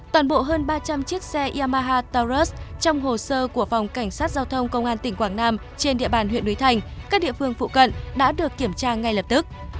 toàn bộ hơn ba trăm linh chiếc xe yamahaws trong hồ sơ của phòng cảnh sát giao thông công an tỉnh quảng nam trên địa bàn huyện núi thành các địa phương phụ cận đã được kiểm tra ngay lập tức